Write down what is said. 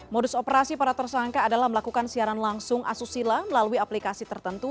modus operasi para tersangka adalah melakukan siaran langsung asusila melalui aplikasi tertentu